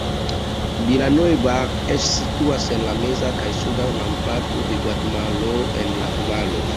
Villa Nueva situas en la meza kaj suda landparto de Gvatemalo en valo.